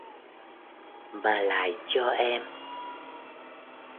mà lại cho em